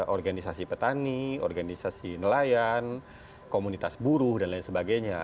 organisasi petani organisasi nelayan komunitas buruh dan lain sebagainya